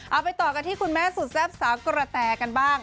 เอาไปต่อกันที่คุณแม่สุดแซ่บสาวกระแตกันบ้าง